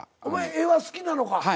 お前絵は好きなのか？